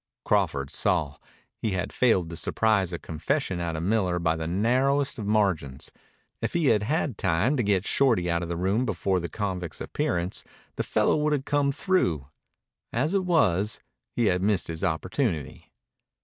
Crawford saw. He had failed to surprise a confession out of Miller by the narrowest of margins. If he had had time to get Shorty out of the room before the convict's appearance, the fellow would have come through. As it was, he had missed his opportunity.